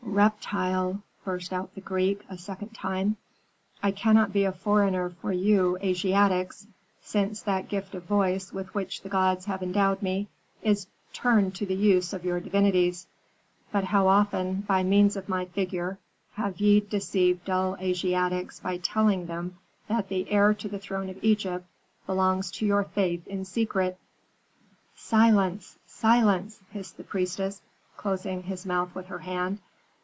"Reptile!" burst out the Greek, a second time. "I cannot be a foreigner for you Asiatics, since that gift of voice with which the gods have endowed me is turned to the use of your divinities. But how often, by means of my figure, have ye deceived dull Asiatics by telling them that the heir to the throne of Egypt belongs to your faith in secret?" "Silence! silence!" hissed the priestess, closing his mouth with her hand.